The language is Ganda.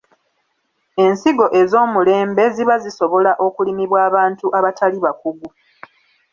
Ensigo ez’omulembe ziba zisobola okulimibwa abantu abatali bakugu.